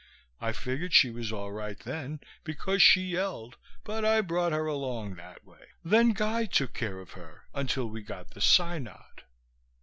I figured she was all right then because she yelled but I brought her along that way. Then Guy took care of her until we got the synod.